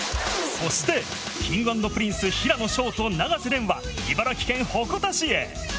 そして、Ｋｉｎｇ＆Ｐｒｉｎｃｅ・平野紫耀と永瀬廉は、茨城県鉾田市へ。